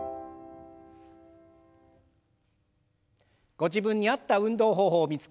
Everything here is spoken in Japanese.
ご自分に合った運動方法を見つけ